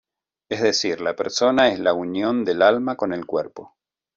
Es decir, la Persona es la unión del alma con el cuerpo.